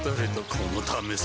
このためさ